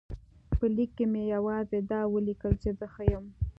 په لیک کې مې یوازې دا ولیکل چې زه ښه یم.